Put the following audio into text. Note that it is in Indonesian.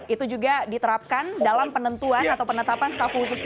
itu juga diterapkan dalam penentuan atau penetapan staff khusus